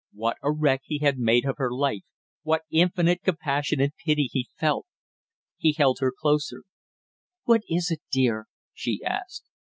What a wreck he had made of her life what infinite compassion and pity he felt! He held her closer. "What is it, dear?" she asked.